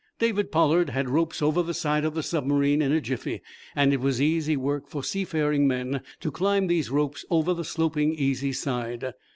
David Pollard had ropes over the side of the submarine in a jiffy. It was easy work for seafaring men to climb these ropes over the sloping, easy side.